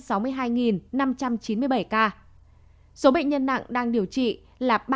số bệnh nhân nặng đang điều trị là ba tám trăm sáu mươi chín ca